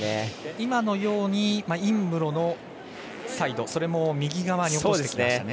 今のように尹夢ろのサイドそれも、右側に落としてきました。